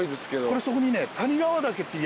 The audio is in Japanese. これそこにね。